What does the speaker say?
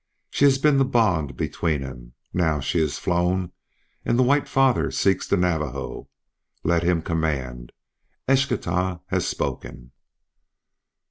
She has been the bond between them. Now she is flown and the White Father seeks the Navajo. Let him command. Eschtah has spoken."